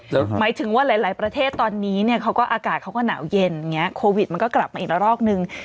หมายถึงว่าหลายประเทศตอนนี้เนี่ยเขาก็อากาศเขาก็หนาวเย็นอย่างนี้โควิดมันก็กลับมาอีกละรอกนึง